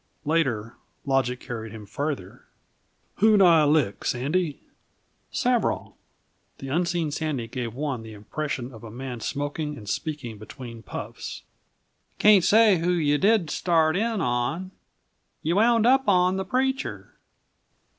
Later, logic carried him farther. "Who'd I lick, Sandy?" "Several." The unseen Sandy gave one the impression of a man smoking and speaking between puffs. "Can't say just who you did start in on. You wound up on the preacher."